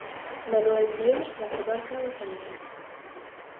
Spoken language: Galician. Manuel Dios, da comarca do Salnés.